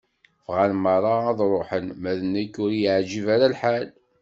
Bɣan merra ad ruḥeɣ, ma d nekk ur y-iεǧib ara lḥal.